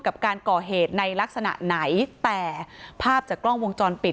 กับการก่อเหตุในลักษณะไหนแต่ภาพจากกล้องวงจรปิด